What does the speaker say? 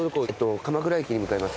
鎌倉駅に向かいます。